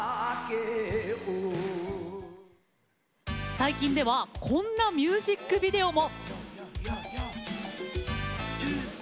最近ではこんなミュージックビデオも。